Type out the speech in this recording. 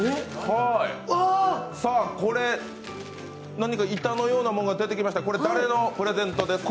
何か板のようなものが出てきました、誰のプレゼントですか？